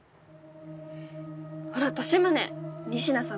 ほら利宗仁科さん